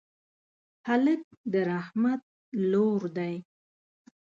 هلک د رحمت لور دی.